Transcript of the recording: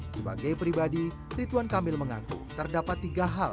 sebagai pribadi rituan kamil mengaku terdapat tiga hal